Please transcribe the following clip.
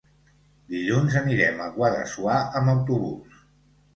Dilluns anirem a Guadassuar amb autobús.